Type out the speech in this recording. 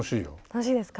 楽しいですか。